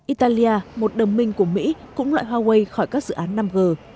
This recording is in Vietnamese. italia một đồng minh của mỹ cũng loại huawei khỏi các dự án năm g